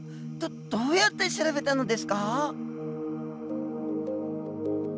どうやって調べたのですか？